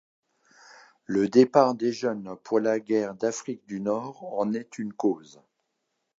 Le départ des jeunes pour la guerre d'Afrique du Nord en est une cause.